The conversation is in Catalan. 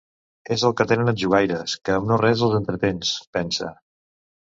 És el que tenen els jugaires, que amb no-res els entretens, pensa.